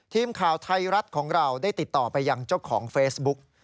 ทีมข่าวไทยรัฐของเราได้ติดต่อไปยังเจ้าของเฟซบุ๊ก